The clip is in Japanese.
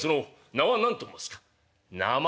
名前は何と申す」。